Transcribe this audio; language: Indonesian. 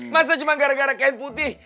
masa cuma gara gara kain putih